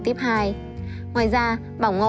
tiếp hai ngoài ra bỏng ngô